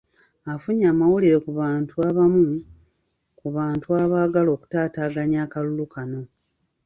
Afunye amawulire ku bamu ku bantu abaagala okutaataaganya akalulu kano